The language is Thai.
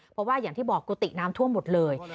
เพราะว่าอย่างที่บอกกุฏิน้ำท่วมหมดเลย